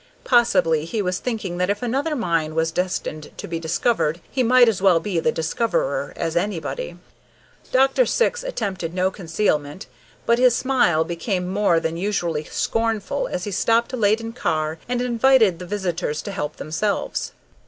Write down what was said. Possibly he was thinking that if another mine was destined to be discovered he might as well be the discoverer as anybody. Dr. Syx attempted no concealment, but his smile became more than usually scornful as he stopped a laden car and invited the visitors to help themselves.